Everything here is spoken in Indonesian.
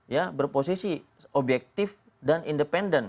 ya berposisi objektif dan independen